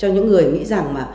người nghĩ rằng mà